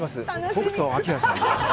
北斗晶さんです